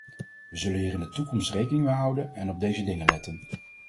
We zullen hier in de toekomst rekening mee houden en op deze dingen letten.